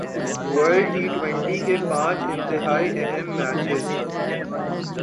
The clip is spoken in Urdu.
ورلڈ ٹی ٹوئنٹی کے پانچ انتہائی اہم میچز